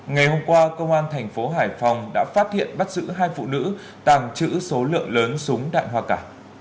ngày hôm qua công an thành phố hải phòng đã phát hiện bắt giữ hai phụ nữ tàng trữ số lượng lớn súng đạn hoa cả